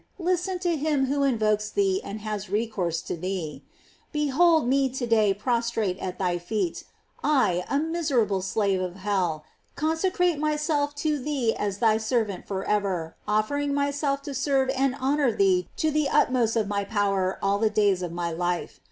listen to him who invokes thee and haa recourse to thee. Behold me to day prostrate at thy feet; I, a miserable slave of hell, conse crate myself to thee as thy servant forever, of 154 GLORIES OF MARY. fering myself to serve and honor thee to the uU most of my power all the days of my life.